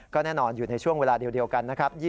ก็แน่นอนอยู่ในช่วงเวลาเดียวกันนะครับ